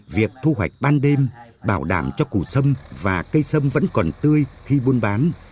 việc thu hoạch ban đêm bảo đảm cho củ xâm và cây xâm vẫn còn tươi khi buôn bán